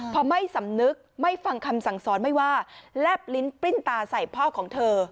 พอไม่สำนึกไม่ฟังคำสั่งสอนไม่ว่าแลบลิ้นปริ้นตาใส่พ่อของเธอ